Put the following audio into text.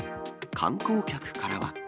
観光客からは。